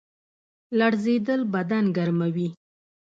لړزیدل بدن ګرموي